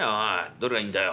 どれがいいんだよ？